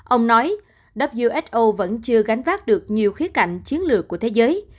ông nói who vẫn chưa gánh vác được nhiều khía cạnh chiến lược của thế giới